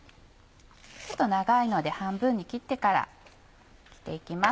ちょっと長いので半分に切ってから切って行きます。